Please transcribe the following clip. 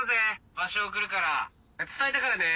場所送るから伝えたからね。